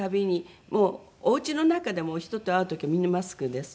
もうお家の中でも人と会う時みんなマスクです。